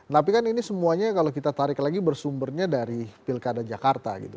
tapi kan ini semuanya kalau kita tarik lagi bersumbernya dari pilkada jakarta gitu